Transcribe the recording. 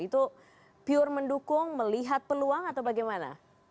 itu pure mendukung melihat peluang atau bagaimana